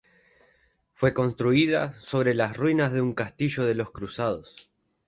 Fue construida sobre las ruinas de un castillo de los cruzados.